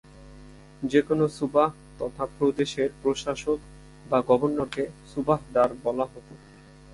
যেকোন সুবাহ তথা প্রদেশের প্রশাসক বা গভর্নরকে সুবাহদার বলা হতো।